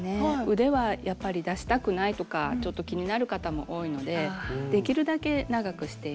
腕はやっぱり出したくないとかちょっと気になる方も多いのでできるだけ長くしています。